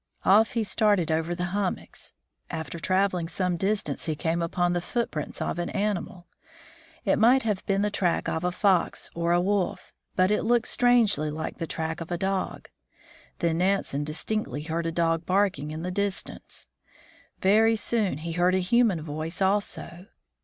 Off he started over the hummocks. After traveling some distance he came upon the footprints of an animal. It might have been the track of a fox or a wolf, but it looked strangely like the track of a dog. Then Nansen distinctly heard a dog barking in the distance. Very soon he heard a human voice also.